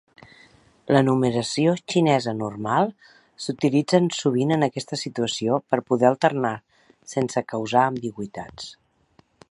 La numeració xinesa normal s'utilitzen sovint en aquesta situació per poder alternar sense causar ambigüitats.